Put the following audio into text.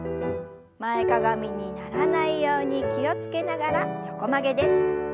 前かがみにならないように気を付けながら横曲げです。